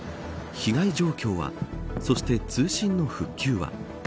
被害状況はそして、通信の復旧は。